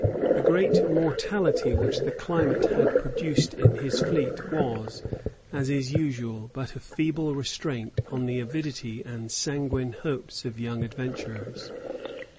The great mortality which the climate had produced in his fleet was, as is usual, but a feeble restraint on the avidity and sanguine hopes of young adventurers.